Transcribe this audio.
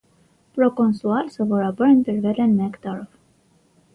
Պրոկոնսուալ սովորաբար ընտրվել են մեկ տարով։